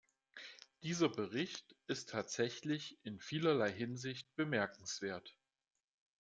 Dieser Bericht ist tatsächlich in vielerlei Hinsicht bemerkenswert.